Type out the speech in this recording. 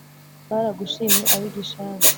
baragushimye ab’i gishari